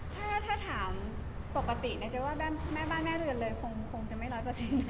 ถ้าถามปกติในเจ๊ว่าแม่บ้านแม่เรือนเลยคงจะไม่ร้อยเปอร์เซ็นต์